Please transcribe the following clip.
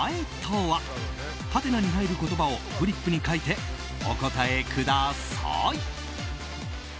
はてなに入る言葉をフリップに書いてお答えください。